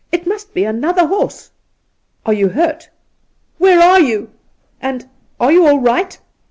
It must be another horse !'' Are you hurt ?'' Where are you ?' and, ' Are you all right?'